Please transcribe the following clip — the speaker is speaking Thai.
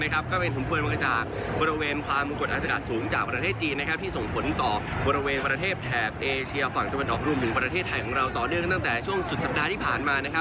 กากก็มีถุมทวนมาจากบริเวณกลางมุงกฎอะไรส่งจากนักแพทย์จีนนะครับที่ส่งผลต่อบริเวณประเทศแถบเอเชียฝั่งจุบันเทาะกลุ่ม